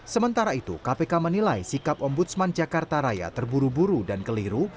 sementara itu kpk menilai sikap ombudsman jakarta raya terburu buru dan keliru